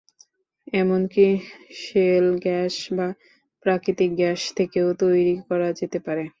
এমনকি shale gas বা প্রাকৃতিক গ্যাস থেকেও তৈরি করা যেতে পারে।